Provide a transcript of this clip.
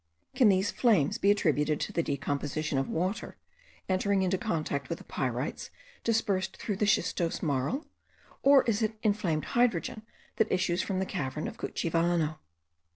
Can these flames be attributed to the decomposition of water, entering into contact with the pyrites dispersed through the schistose marl? or is it inflamed hydrogen that issues from the cavern of Cuchivano?